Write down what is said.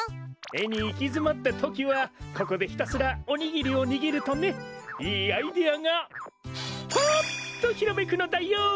えにいきづまったときはここでひたすらおにぎりをにぎるとねいいアイデアがパッとひらめくのだよ！